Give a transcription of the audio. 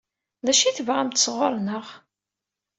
D acu i tebɣamt sɣur-neɣ?